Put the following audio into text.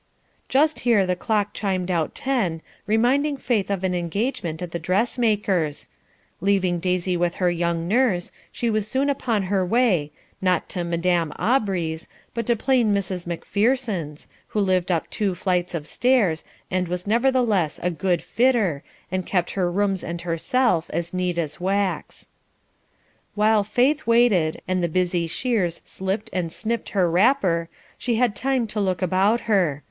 Just here the clock chimed out ten, reminding Faith of an engagement at the dressmaker's. Leaving Daisy with her young nurse, she was soon on her way, not to "Madame Aubrey's," but to plain Mrs. Macpherson's, who lived up two flights of stairs, and was nevertheless "a good fitter," and kept her rooms and herself as neat as wax. While Faith waited, and the busy shears slipped and snipped her wrapper, she had time to look about her.